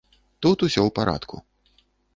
Тут усё ў парадку.